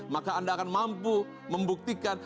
maka anda akan mampu membuktikan